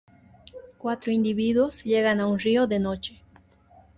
Cuatro individuos llegan a un río de noche.